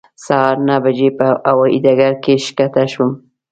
سهار نهه بجې په هوایې ډګر کې ښکته شوم.